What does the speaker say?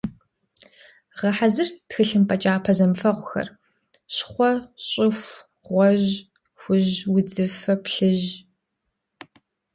Гъэхьэзыр тхылъымпӀэ кӀапэ зэмыфэгъухэр: щхъуэ, щӀыху, гъуэжь, хужь, удзыфэ, плъыжь.